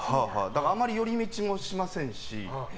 あまり寄り道もしませんし。